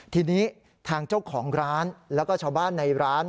ทีนี้ทางเจ้าของร้านแล้วก็ชาวบ้านในร้าน